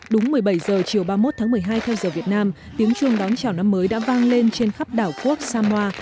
đúng một mươi bảy h chiều ba mươi một tháng một mươi hai theo giờ việt nam tiếng chuông đón chào năm mới đã vang lên trên khắp đảo quốc samoa